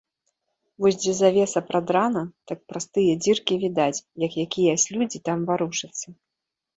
Вось дзе завеса прадрана, так праз тыя дзіркі відаць, як якіясь людзі там варушацца.